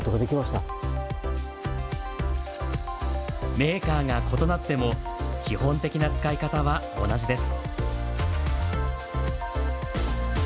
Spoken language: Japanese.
メーカーが異なっても基本的な使い方は同じです。